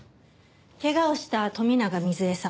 怪我をした富永瑞恵さん